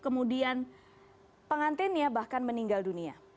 kemudian pengantinnya bahkan meninggal dunia